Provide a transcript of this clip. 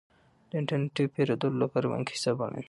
د انټرنیټي پیرودلو لپاره بانکي حساب اړین دی.